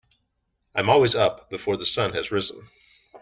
I'm always up before the sun has risen.